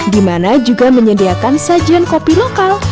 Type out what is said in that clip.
dimana juga menyediakan sajian kopi lokal